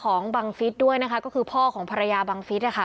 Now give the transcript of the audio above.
บังฟิศด้วยนะคะก็คือพ่อของภรรยาบังฟิศนะคะ